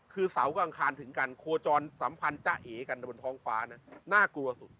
คือเสาร์ก็อังคารถึงกันโคจรสัมพันธาเขตแก่กันบนท้องฟ้าเนี่ยน่ากลัวสุด